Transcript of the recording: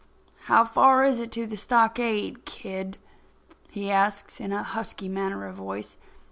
"How far is it to the stockade, kid?" he asks, in a husky manner of voice.